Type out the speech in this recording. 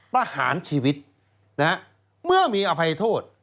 ประหารชีวิตนะฮะเมื่อมีอภัยโทษ